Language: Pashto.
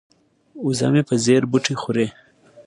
وزه مې په ځیر بوټي خوري.